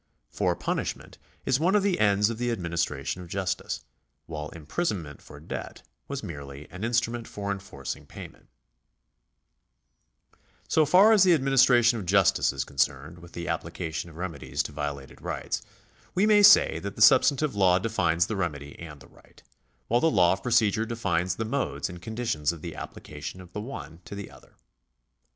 For punishment is one of the ends of the administration of justice, while imprisonment for debt was merely an instrument for enforcing payment. § 172] THE LAW OF PROCEDURE 489 So far as the administration of justice is concerned with the apphcation of remedies to violated rights, we may say that the substantive law defines the remedy and the right, while the law of procedure defines the modes and conditions of the application of the one to the other.